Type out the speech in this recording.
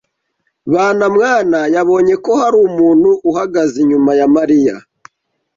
Banamwana yabonye ko hari umuntu uhagaze inyuma ya Mariya.